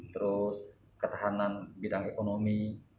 terus ketahanan bidang ekonomi